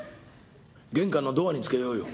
「玄関のドアにつけようよ」。